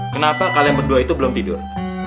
kenapa kalian berdua itu belum tidur